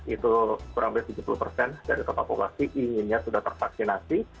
itu kurang lebih tujuh puluh persen dari total populasi inginnya sudah tervaksinasi